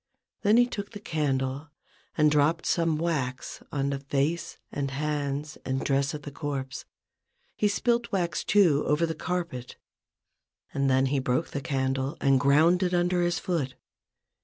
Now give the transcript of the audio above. Then he took the candle and dropped some wax on the face and hands and dress of the corpse ; he spilt wax, too, over the carpet, and then he broke the candle and ground it under his foot.